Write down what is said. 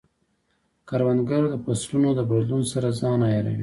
کروندګر د فصلونو د بدلون سره ځان عیاروي